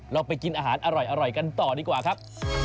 เราไปกินอาหารอร่อยกันต่อดีกว่าครับ